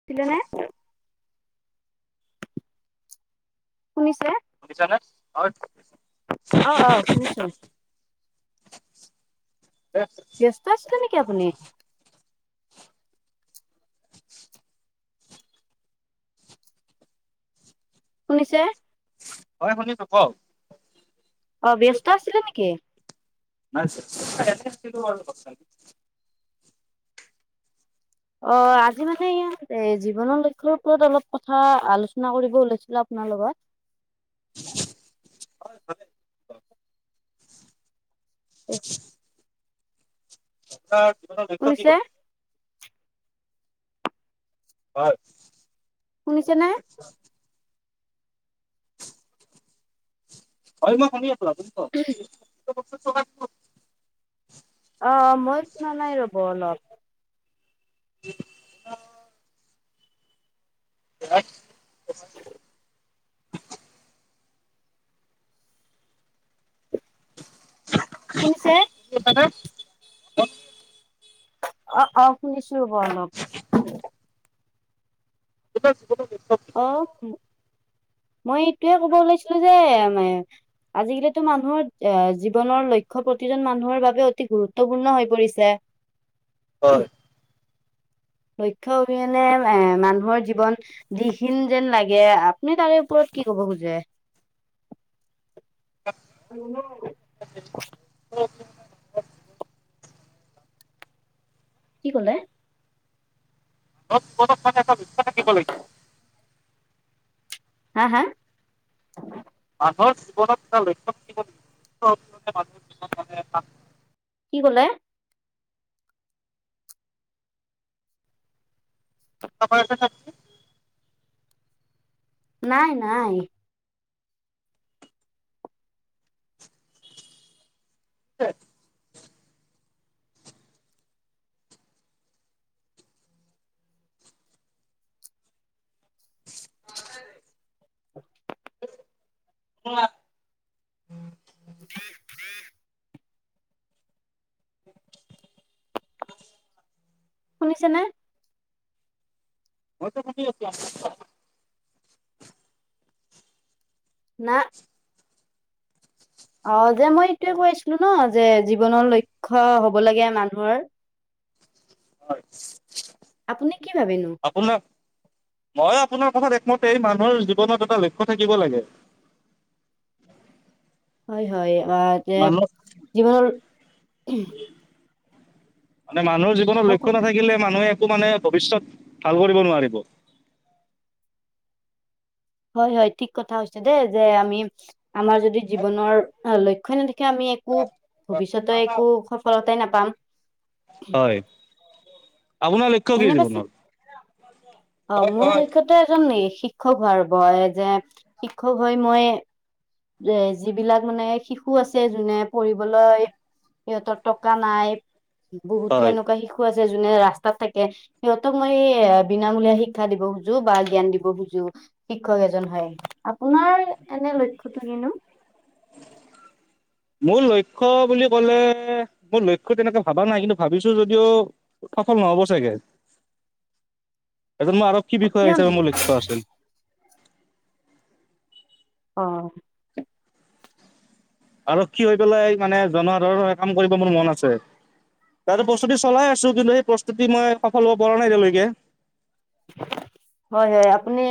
উঠিলে নে শুনিছে শুনিছানে? হয় অ অ শুনিছো। ব্যস্ত আছিলে নেকি আপুনি? শুনিছে হয় শুনিছো কওক অ ব্যস্ত আছিলে নেকি? না চাছচ অ আজি মানে ইয়াত এ জীৱনৰ লক্ষ্য ওপৰত অলপ কথা আলোচনা কৰিব ওলাইছিলো আপ নাৰ লগত [unintelligible] [unintelligible] [inaudible] এ আ জীৱনৰ লক্ষ্য কি শুনিছে কৈ হয় শুনিছে নে হই মই শুনি আছো আপুনি কক অ মই শুনা নাই ৰ'ব অলপ [inaudible] এক শুনিছে? কত অ অ শুনিছো ৰ'ব অলপ বিকশ অ মই এইটোয়ে কব ওলাইছিলো যে মে এম [unintelligible] আজিকালিতো মানুহৰ এ জীৱনৰ লক্ষ্য প্ৰতিজন মানুহৰ বাবে অতি গুৰুত্বপূৰ্ণ হৈ পৰিছে। [inaudible] হয়। লক্ষ্য অবিহনে এ মানুহৰ জীৱন বিহিন যেন লাগে আপুনি তাৰে ওপৰত কি কব খোজে। [unintelligible] কি ক'লে? কত ক'ত ক ক দিবলৈও? হা হা? মানুহৰ জীৱনত এটা লক্ষ্য থাকিব মানুহ মানুহে কি কলে? [unintelligible] নাই নাই কে [inaudible] উম আ [unintelligible] [inaudible] শুনিছেনে? মই টো শুনি আছো। আপুনি? না অ যে মই এইটোয়ে কৈছিলো ন যে জীৱনৰ লক্ষ্য হব লাগে মানুহৰ [inaudible] আপুনি কি ভাবেনো? আপোনাৰ মই আপোনাৰ কথা মতে মানুহৰ জীৱনত এটা লক্ষ্য থাকিব লাগে। হয় হয় আমাৰ এতিয়া মানুহ জীৱনৰ মানুহৰ জীৱত অ লক্ষ্য ক- নাথাকে মানুহে মানে ভৱিষ্যত ভাল কৰিব নোৱাৰিব। হয় হয় ঠিক কথা কৈছে দেই। যে আমি আমাৰ যদি জীৱনৰ লক্ষ্যই নাথা আমি একো ভৱিষ্যতে একো সফলতাই নাপাম। হয় আপোনাৰ লক্ষ্য কি এনে পাছে জীৱনত? অ মোৰ লক্ষ্য টোএজন শিক্ষক হোৱাৰ বয় যে শিক্ষক হৈ মই এ যিবিলাক মানে শিশু আছে যোনে পঢ়িবলৈ সিহঁতৰ টকা নাই বহুতো হয়, এনেকুৱা শিশু আছে। যে যোনে ৰাস্তাত থাকে সিহঁতক মই বিনামূলীয়া শিক্ষা দিব খোজো বা জ্ঞান দিব খোজো। শিক্ষক এজন হয় আপোনাৰ এনে লক্ষ্যটো কিনো? [inaudible] মোৰ লক্ষ্য বুলি ক'লে মোৰ লক্ষ্য তেনেকে ভাবা নাই। কিন্তু ভাবিছো যদিও সফল হ'ব চাগে। [inaudible] এজন মোৰ আৰক্ষী অ বিষয়া কিয় হিচাপে নহব মোৰ লক্ষ্য আছিল। অ আৰক্ষী হৈ পেলাই মানে জনসাধাৰণৰ কাম কৰিব মোৰ মন আছে। তাতে প্ৰস্তুতি চলাই আছো। কিন্তু সেই প্ৰস্তুতি মই সফল হব পৰা নাই এতিয়ালৈকে। [inaudible] হয় হয় আপুনি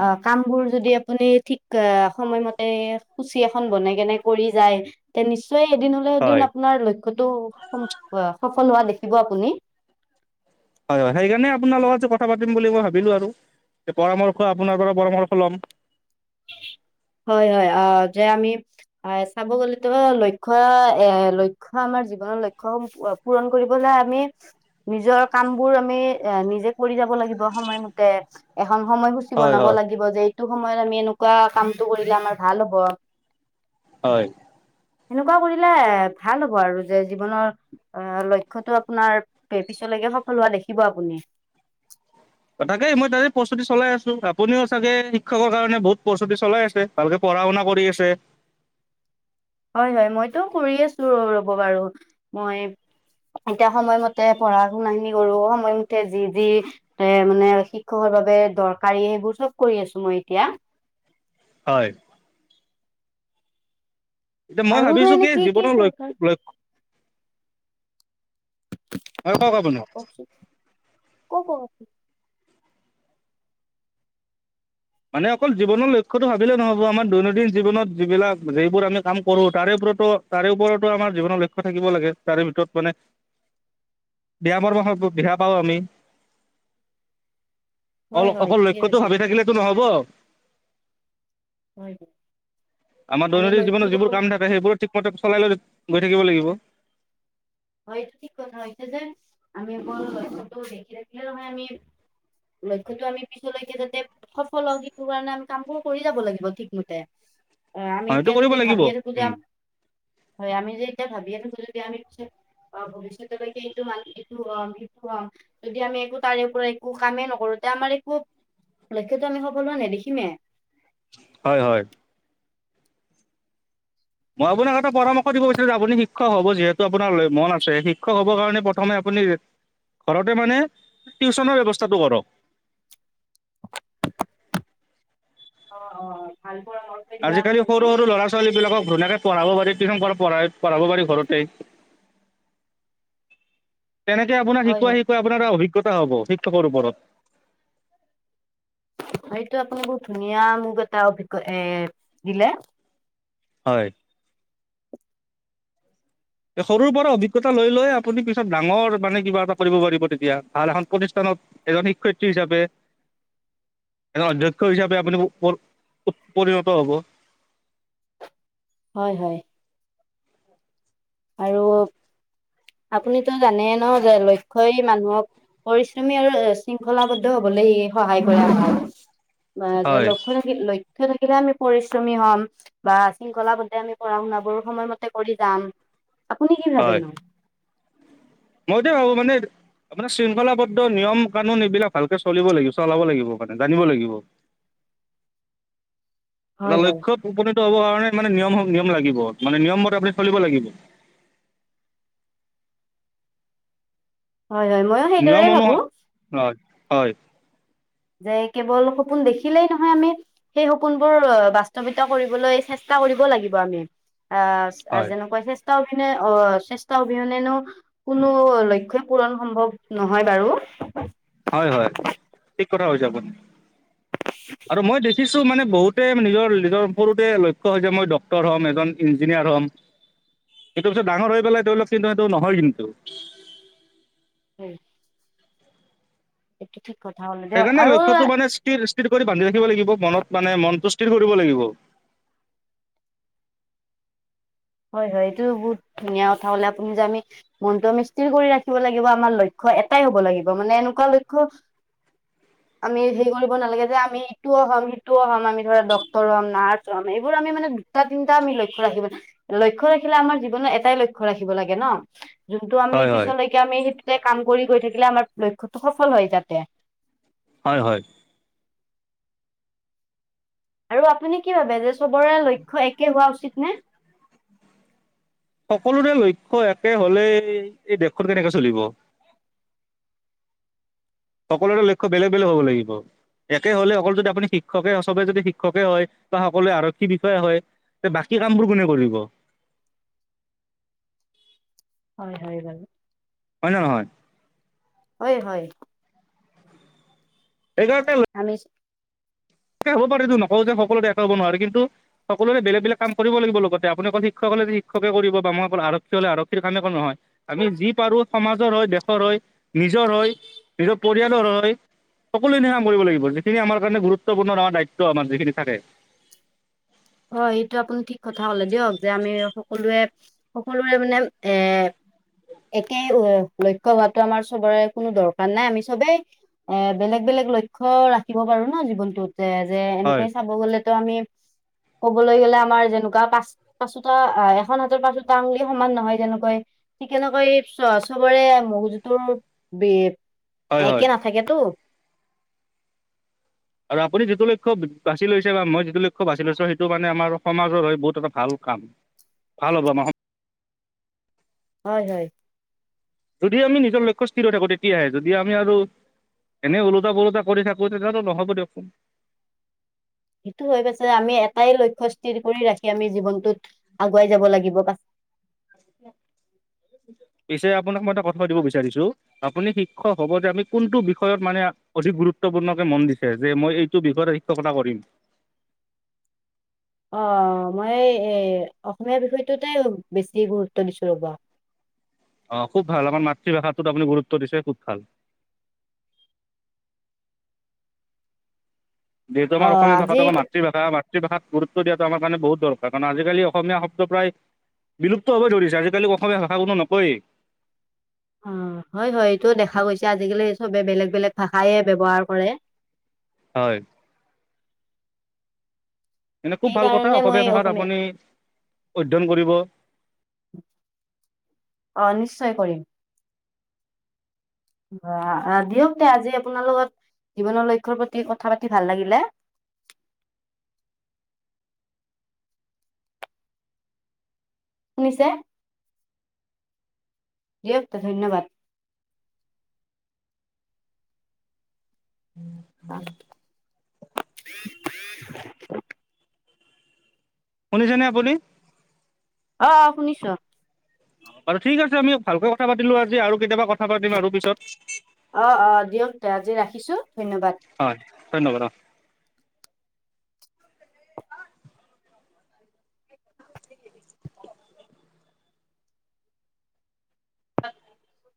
অ কাম বোৰ যদি আপুনি ঠিক সময়মতে ৰুটিন এখন বনাই কেনে কৰি যায় তেনে এদিন হলো এদিন হয়, আপোনাৰ লক্ষ্যটো সফল হোৱা দেখিব আপুনি। হয় হয় সেইকাৰণে আপোনাৰ লগত যে কথা পাতিম বুলি মই ভাবিলো আৰু পৰামৰ্শ আপোনাৰ পৰা পৰামৰ্শ লম। হয় হয় যে আমি হয় চাব গলে তো লক্ষ্য এ লক্ষ্য আমাৰ জীৱনৰ লক্ষ্যসমূহ পূৰণ কৰিব লাগে। আমি নিজৰ কাম বোৰ আমি নিজে কৰি যাব লাগিব। সময়মতে এখন সময়সূচী হয় বনাব হয় লাগিব যে এইটো সময়ত আমি এনেকুৱা কামটো কৰিলে আমাৰ ভাল হব। হয়। সেনেকুৱা কৰিলে এ ভাল হব আৰু যে জীৱনৰ লক্ষ্যটো আপোনাৰ পিছত লৈকে সফল হোৱা দেখিব আপুনি। তাকেই মই তাতে প্ৰস্তুতি চলাই আছো। আপুনিও চাগে শিক্ষকৰ কাৰণে বহুত প্ৰস্তুতি চলাই আছে। ভালকে পঢ়া শুনা কৰি আছে। হয় হয় মইতটো কৰি আছো ৰব বাৰু মই এতিয়া সময়মতে পঢ়া শুনাখিনি কৰো, সময়মতে যি যি এ মানে শিক্ষকৰ বাবে দৰকাৰী সেইবোৰ চব কৰি আছো মই এতিয়া। হয়। এতিয়া মই আৰু ভাবিছো মানে কি জীৱনৰ দৰকাৰ লক্ষ্য হয় কওক আপুনি অ ক ক মানে অকল জীৱনৰ লক্ষ্যটো ভাবিলে নহ'ব। আমাৰ দৈনন্দিন জীৱনত যিবিলাক যিবোৰ আমি কাম কৰো তাৰে ৰতো তাৰে ওপৰতো আমাৰ জীৱনৰ লক্ষ্যত থাকিব লাগে তাৰে ভিতৰত মানে উ [unintelligible] বিয়া মাৰৰ বিয়া পাওঁ আমি হয় অল হয় অকল ঠিকে লক্ষ্য তো কৈছে ভাবি থাকিলে অ হয় হয়। আমাৰ আমি দৈনন্দিন জীৱনত যিবোৰ লক্ষ্যবোৰ কাম থাকে সেইবোৰ ঠিকমতে চলাই লৈ গৈ থাকিব লাগিব হয়টো ঠিক ক হৈছে যে আমি ব দেখি দেখি হয় আি লক্ষ্যটো আমি পিছলৈকে যাতে সফল হওঁ সেইটো কাৰণে আমি কামবোৰ কৰি যাব লাগিব ঠিকমতে [unintelligible] অঁ আমি সেইটো এতিয়া কৰিব যদি লাগিব ভাবি আন খো যাম হয় আমি য এতিয়া ভাবি আন খোজোদি আমি পি অ ভৱিষ্যতকে এইটো মান এইটো হম সটো হম যদি আমি একো তাৰে পৰা একো কামেই নকৰো আমাৰ একো লক্ষ্যটো আমি সব লোৱা নাই দেখিমেই হয় হয় মই আপোনাক এটা পৰামৰ্শ দিব বিচাৰো যে আপুনি শিক্ষক হ'ব যিহেতু আপোনাৰ মন আ শিক্ষ হ'বৰ কাৰণে প্ৰথম ঘৰতে মানে টিউচনৰ ব্যস্থাটো কৰক অঁ অঁ অঁ ভাল পৰামৰ্শ দিলা আজিকালি আপুনিও। সৰু সৰু ল'ৰা ছোৱালী বিলাকক ধুনীয়াকে পঢ়াব পাৰি টিউশন প পঢাই পঢ়াব পাৰি ঘৰতে তেনেকে আপোনাৰ হয় শিকাই হয়, শিকাই আপোনাৰ এটা অভিজ্ঞতা হ'ব শিক্ষকৰ ওপৰত সেইটো আপুনি বহুত ধুনীয়া মোক এটা অভিজ্ঞতাৰ এ দিলে হয়। সৰুৰ পৰা অভিজ্ঞতা লৈ লৈ আপুনি পিছত ডাঙৰ মানে কিবা এটা কৰিব পাৰিব তেতিয়া ভাল এখন প্ৰতিষ্ঠান এজন শিক্ষয়িত্ৰী হিচাপে [unintelligible] এ অধ্যক্ষ হিচাপে আপুনি পৰিণত হ'ব হয় হয়। আৰু আপুনিতো জানে ন যে লক্ষ্য মানুহক পৰিশ্ৰমী আৰু শৃংখলাবদ্ধ হবলৈ সহায় কৰে ম যে হয় লক্ষ্য থিল থাকিলে আমি পৰিশ্ৰমী হ'ম বা শৃংখলাবদ্ধে আমি পঢ়া শুনাবোৰ সময়মতে কৰি যাম আপুনি কি ভাবে হয় ন মই তো ভাবো মানে আপোনাৰ শৃংখলাবদ্ধ নিয়ম- কানুন এইবিলাক ভালকে চলিব লাগিব, চলাব লাগিব মানে জানিব লাগিব। [inaudible] এটা হয় হয় লক্ষ্যত উপনি হ'ব কাৰণে মানে নিয়ম -নিয়ম লাগিব মানে নিয়মমতে আপুনি চলিব লাগিব। হয় হয় ময়ো নিয়ম সেইদৰে অনুস ভাবো [inaudible] হয় - হয়। যে কেৱল সপোন দেখিলেই নহয় আমি, সেই সপোনবোৰ বাস্তৱিত কৰিবলৈ চেষ্টা কৰিব লাগিব আমি অহ হয় যেনেকুৱা চেষ্ট অবিনে অহ চেষ্টা অবিহনেনো কোনো লক্ষ্যই পূৰণ সম্ভৱ নহয় বাৰু। [unintelligible] হয় -হয় ঠিক কথা কৈছে আপুনি আৰু মই দেখিছো মানে বহুতে নিজৰ- নিজৰ সৰুতে লক্ষ্য হৈছে মই ডক্টৰ হ'ম, এজন ইঞ্জিনিয়াৰ হ'ম এইটো পিছত ডাঙৰ হৈ পেলাই তেওঁলোক চিন্তাৰ দৰে নহয় কিন্তু। [unintelligible] হ'ল দিয়ক সেইকাৰনে আৰু লক্ষ্যটো হয় মানে স্থিৰ থিৰ কৰি বান্ধি ৰাখিব লাগিব মনত মানে মনটো স্থিৰ কৰিব লাগিব। হয় -হয় এইটো বহুত ধুনীয়া কথা হলে আপুনি যে আমি মনটো আমি স্থিৰ কৰি ৰাখিব লাগিব আমাৰ লক্ষ্য এটাই হ'ব লাগিব মানে এনেকুৱা লক্ষ্য [inaudible] আমি হেৰি কৰিব নালাগে যে আমি ইটোও হম সিটোও হম আমি ধৰা ডক্টৰ হম, নাৰ্ছ হম এইবোৰ আমি মানে দুটা-তিনটা আমি লক্ষ্য ৰাখিব লক্ষ্য ৰাখিলে আমাৰ জীৱনৰ এটাই লক্ষ্য ৰাখিব লাগে ন যোনটো আমি হয় হয় পিছলৈকে আমি সে তে কাম কৰি গৈ থাকিলে আমাৰ লক্ষ্যটো সফল হয় যাতে। হয়- হয়। আৰু আপুনি কি ভাবে যে চবৰে লক্ষ্য একে হোৱা উচিত নে? সকলোৰে লক্ষ্য একে হলেই এই দেশখন কেনেকে চলিব। সকলোৰে লক্ষ্য বেলেগ -বেলেগ হ'ব লাগিব। একে হ'লে অকল যদি আপুনি শিক্ষকে চবে যদি শিক্ষকে হয় বা সকলোৱে আৰক্ষী বিষয়া হয় তে বাকী কামবোৰ কোনে কৰিব? [inaudible] হয়- হয় বাৰু। হয় নে নহয়? হয়- হয় আমি তাকে হ'ব পাৰে এইটো নকও যে সকলো যে একে হব নোৱাৰে কিন্তু সকলোৰে বেলেগ -বেলেগ কাম কৰিব লাগিব লগতে আপুনি অকল শিক্ষক শিক্ষকে কৰিব বা মই অকল আৰক্ষী হ'লে আৰক্ষীৰ কামে একো নহয় আমি যি পাৰো সমাজৰ হয় দেশৰ হয় নিজৰ হৈ নিজৰ পৰিয়ালৰ হৈ সকলোখিনি কাম কৰিব লাগিব যিখিনি আমাৰ কাৰণে গুৰুত্ব গুৰুত্বপূৰ্ণ আমাৰ দায়িত্ব আমাৰ যিখিনি থাকে। হয়, সেইটো আপুনি ঠিক কথা হলে দিয়ক যে আমি সকলোৱে- সকলোৰে মানে এ' একেই লক্ষ্য হোৱাতো আমাৰ চবৰে কোনো দৰকাৰ নাই আমি চবেই এ' বেলেগ- বেলেগ বেলেগ -বেলেগ লক্ষ্য ৰাখিব পাৰো না জীৱনটোতে যে হয় এনেকুৱাই চাব গ'লেতো আমি কবলৈ গ'লে আমাৰ যেনেকুৱা পাচ পাচোটা এখন হাতৰ পাচোতা আঙুলি সমান নহয় তেনেকৈ ঠিক এনেকৈ চ - চবৰে মগজুটোৰ বে হয় হয় একে নাথাকেতো। আৰু আপুনি যিটো লক্ষ্য বাছি লৈছে বা মই যিটো লক্ষ্য বাছি লৈছোঁ সেইটো মানে আমাৰ সমাজৰ হৈ বহুত এটা ভাল কাম, ভাল হ'ব আমাৰ হয়- হয় যদি আমি নিজৰ লক্ষ্য স্থিৰ হৈ থাকো তেতিয়াহে। যদি আমি আৰু এনে ওলোটা - কোলোটা কৰি থাকো তেতিয়াতো নহ'ব দিয়কচোন। সেইটো হৈ পাছে আমি এটাই লক্ষ্য স্থিৰ কৰি ৰাখি খি আমি জীৱনটোত আগুৱাই যাব লাগিব পাছ [inaudible] [inaudible] পিছে আপোনাক মই এটা কথা সুধিব বিচাৰিছো আপুনি শিক্ষক হব যে আমি কোনটো বিষয়ত মানে অধিক গুৰুত্ গুৰুত্বপূৰ্ণ মন দিছে যে মই এইটো বিষয়ত শিক্ষকতা কৰিম [inaudible] অ মই এ অসমীয়া বিষয়টোতেই বেছি গুৰুত্ব দিছো ৰ'বা [inaudible] আহ খুব ভাল আমাৰ মাতৃভাষাটোত আপুনি গুৰুত্ব দিছে খুব ভাল যিহেতু অ', আমাৰ অসমীয়া আজি ভাষাটো আমাৰ মাতৃভাষা মাতৃভাষাত গুৰুত্ব দিয়াটো আমাৰ কাৰণে বহুত দৰকাৰ কাৰণ আজিকালি অসমীয়া শব্দ প্ৰায় বিলুপ্ত হব ধৰিছে আজিকালি অসমীয়া ভাষা কোনো নকয়েই অ হয় হয় এইটো দেখা গৈছে আজিকালি চবে বেলেগ বেলেগ ভাষাই ব্যৱহাৰ কৰে হয় এনে খুব ভাল কথা সেইকাৰণে মই অসমীয়া ভাষাত আপুনি অধ্যয়ন কৰিব অ নিশ্চয় কৰিম অ দিয়ক তে আজি আপোনাৰ লগত জীৱনৰ লক্ষ্য প্ৰতি কথা পাতি ভাল লাগিলে শুনিছে? দিয়ক তে ধন্যবাদ। অ শুনিছেনে আপুনি? অ শুনিছোঁ। আৰু ঠিক আছে আমি ভালকে কথা পাতিলো আজি আৰু কেতিয়াবা কথা পাতিম আৰু পিছত। অ অ দিয়ক তে আজি ৰাখিছো ধন্যবাদ। হয় ধন্যবাদ অ [unintelligible]